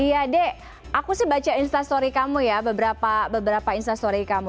iya dek aku sih baca instastory kamu ya beberapa instastory kamu